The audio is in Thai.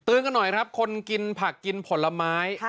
กันหน่อยครับคนกินผักกินผลไม้